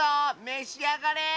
めしあがれ！